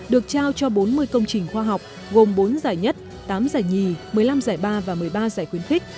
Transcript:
được trao cho bốn mươi công trình khoa học gồm bốn giải nhất tám giải nhì một mươi năm giải ba và một mươi ba giải khuyến khích